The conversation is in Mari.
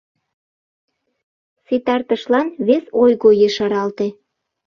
Ситартышлан вес ойго ешаралте...